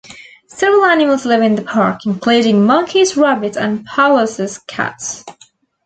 Several animals live in the park; including monkeys, rabbits, and the Pallas's cats.